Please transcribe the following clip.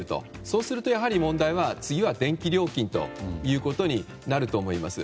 そうすると、やはり問題は次は電気料金ということになると思います。